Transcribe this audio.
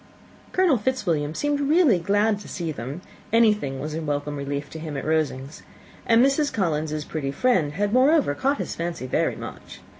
Colonel Fitzwilliam seemed really glad to see them: anything was a welcome relief to him at Rosings; and Mrs. Collins's pretty friend had, moreover, caught his fancy very much.